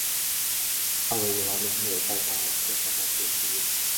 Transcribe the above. อวัยวะล้มเหลว ไตวาย เสี่ยงต่อการเสียชีวิต